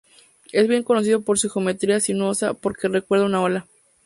Es bien conocido por su geometría sinuosa, porque recuerda una ola.